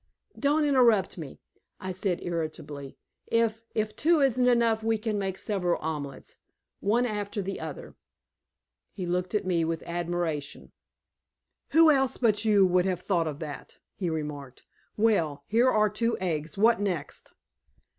"Don't interrupt me," I said irritably. "If if two isn't enough we can make several omelets, one after the other." He looked at me with admiration. "Who else but you would have thought of that!" he remarked. "Well, here are two eggs. What next?"